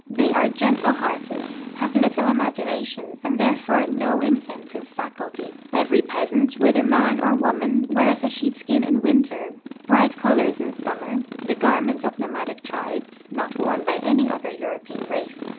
They are gentle hearted, have little imagination, and therefore no inventive faculty. Every peasant, Avhether man or Avoman, Avears a shee[>skin in Avinter, bright colors in summer, the garment of nomadic triVjes, not Avorn by any other Euroi)ean race.